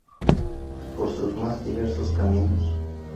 Por sus más diversos caminos.